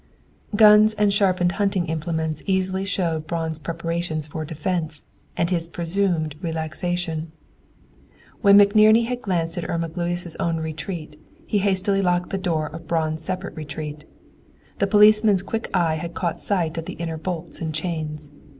Guns and sharpened hunting implements easily showed Braun's preparations for defense, and his presumed relaxation. When McNerney had glanced at Irma Gluyas' own retreat, he hastily locked the door of Braun's separate retreat. The policeman's quick eye had caught sight of the inner bolts and chains!